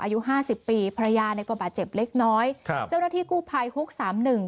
อายุห้าสิบปีภรรยาเนี่ยก็บาดเจ็บเล็กน้อยครับเจ้าหน้าที่กู้ภัยฮุกสามหนึ่ง